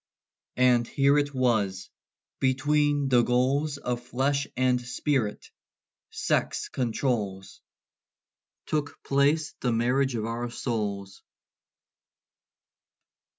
And here it was between the goals Of flesh and spirit, sex controls Took place the marriage of our souls.